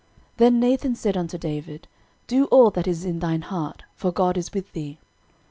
13:017:002 Then Nathan said unto David, Do all that is in thine heart; for God is with thee.